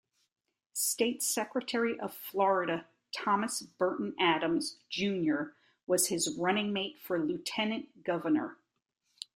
State Secretary of Florida Thomas Burton Adams, Junior was his running-mate for lieutenant governor.